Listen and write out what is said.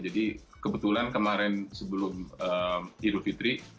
jadi kebetulan kemarin sebelum idul fitri